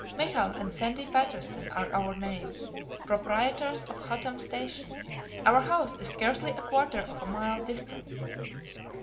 "Michael and Sandy Patterson are our names, proprietors of Hottam Station. Our house is scarcely a quarter of a mile distant."